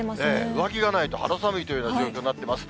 上着がないと肌寒いというような状況になっています。